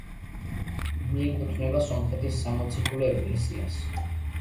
მიეკუთვნება სომხეთის სამოციქულო ეკლესიას.